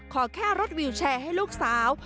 ขอแค่รถวิวแชร์ให้ลูกสาว